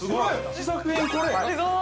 試作品これ。